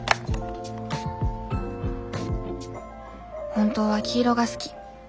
本当は黄色が好き。